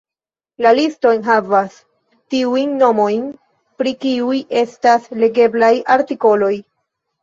La listo enhavas tiujn nomojn, pri kiuj estas legeblaj artikoloj.